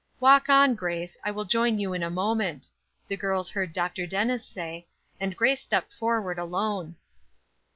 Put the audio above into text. "Walk on, Grace, I will join you in a moment," the girls heard Dr. Dennis say, and Grace stepped forward alone.